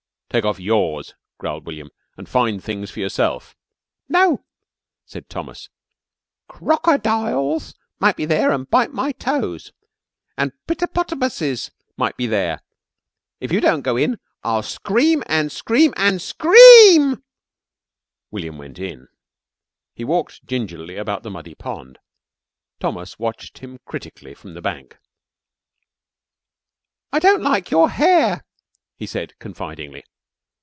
"Take off yours," growled William, "an' find things for yourself." "No," said Thomas, "crockerdiles might be there an' bite my toes. An pittanopotamuses might be there. If you don't go in, I'll scream an' scream an' scream." William went in. He walked gingerly about the muddy pond. Thomas watched him critically from the bank. "I don't like your hair," he said confidingly.